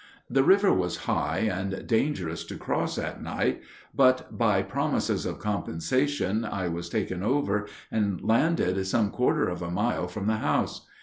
The river was high and dangerous to cross at night, but by promises of compensation I was taken over and landed some quarter of a mile from the house.